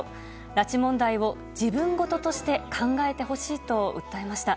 拉致問題を自分事として考えてほしいと訴えました。